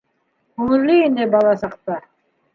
Күңелле ине бала саҡта.